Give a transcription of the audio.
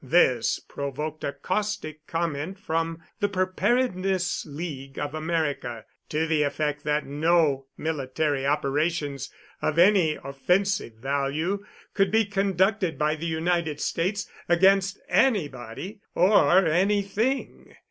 This provoked a caustic comment from the Preparedness League of America, to the effect that no military operations of any offensive value could be conducted by the United States against anybody or anything.